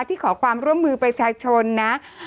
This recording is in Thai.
ขอความร่วมมือประชาชนนะ